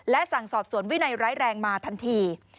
และสั่งสอบสวนวินัยร้ายแรงมาทันที